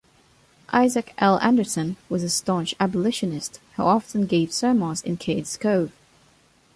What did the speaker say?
Isaac L. Anderson, was a staunch abolitionist who often gave sermons in Cades Cove.